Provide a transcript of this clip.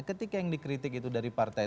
ketika yang dikritik itu dari partai